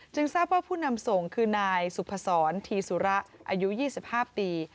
ทราบว่าผู้นำส่งคือนายสุพศรธีสุระอายุ๒๕ปี